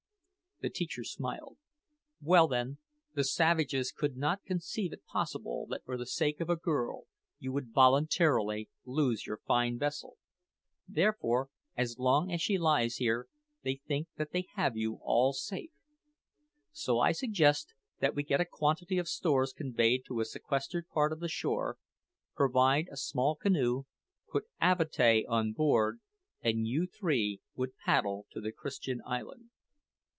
The teacher smiled. "Well, then, the savages could not conceive it possible that for the sake of a girl you would voluntarily lose your fine vessel; therefore, as long as she lies here, they think they have you all safe. So I suggest that we get a quantity of stores conveyed to a sequestered part of the shore, provide a small canoe, put Avatea on board, and you three would paddle to the Christian island."